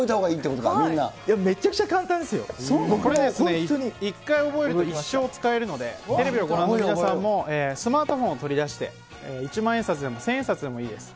これですね、１回覚えると一生使えるので、テレビをご覧の皆さんも、スマートフォンを取り出して、一万円札でも千円札でもいいです。